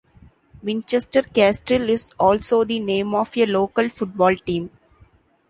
Winchester Castle is also the name of a local football team.